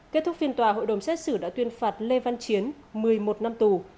kết thúc phiên tòa hội đồng xét xử đã tuyên phạt lê văn chiến một mươi một năm tù